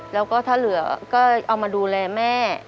แล้วก็ถ้าเหลือก็เอามาดูแลแม่